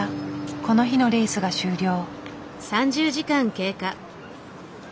この日のレースが終了。